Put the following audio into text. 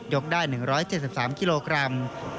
ได้๑๗๓กิโลกรัม